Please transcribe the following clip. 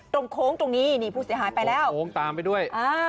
โค้งตรงนี้นี่ผู้เสียหายไปแล้วโค้งตามไปด้วย